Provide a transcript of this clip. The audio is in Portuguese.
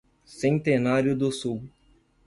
Centenário do Sul